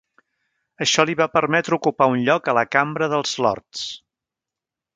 Això li va permetre ocupar un lloc a la Cambra del Lords.